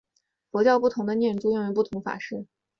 佛教不同的念珠用于作不同法事。